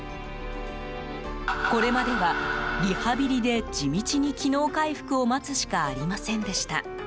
これまではリハビリで地道に機能回復を待つしかありませんでした。